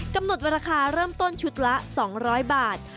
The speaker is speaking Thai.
กำหนดราคาเริ่มต้นชุดละ๒๐๐บาท